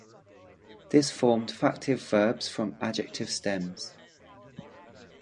This formed factitive verbs from adjective stems.